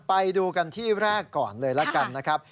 ไปดูกันที่แรกก่อนเลยละกันนะครับ